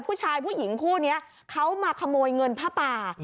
ผู้หญิงคู่นี้เขามาขโมยเงินผ้าป่า